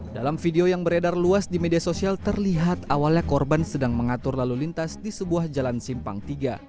dalam video yang beredar luas di media sosial terlihat awalnya korban sedang mengatur lalu lintas di sebuah jalan simpang tiga